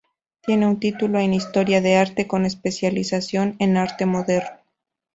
Tiene un título en historia de arte, con especialización en arte moderno.